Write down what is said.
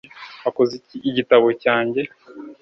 wakoze iki igitabo cyanjye